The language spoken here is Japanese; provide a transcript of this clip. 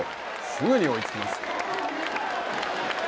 すぐに追いつきます。